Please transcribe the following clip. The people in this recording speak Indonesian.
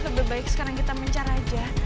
lebih baik sekarang kita mencari aja